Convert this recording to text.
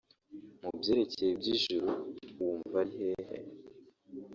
mu byerekeye iby’ijuru wumva uri hehe